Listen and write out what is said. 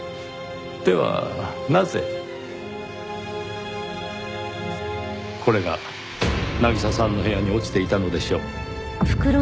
ではなぜこれが渚さんの部屋に落ちていたのでしょう。